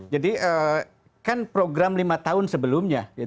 jadi kan program lima tahun sebelumnya